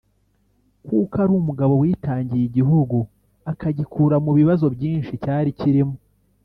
kuko ari umugabo witangiye igihugu akagikura mu bibazo byinshi cyari kirimo